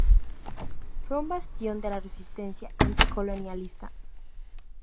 Fue un bastión de la resistencia anticolonialista.